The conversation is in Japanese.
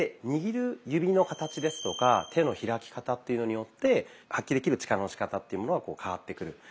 握る指の形ですとか手の開き方っていうのによって発揮できる力のしかたっていうものは変わってくる。